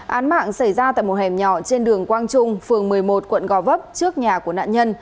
án mạng xảy ra tại một hẻm nhỏ trên đường quang trung phường một mươi một quận gò vấp trước nhà của nạn nhân